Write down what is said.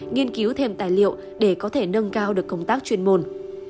nghiên cứu thêm tài liệu để có thể nâng cao được công tác chuyên môn